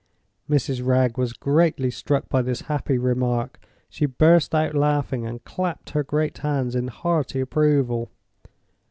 '" Mrs. Wragge was greatly struck by this happy remark. She burst out laughing, and clapped her great hands in hearty approval.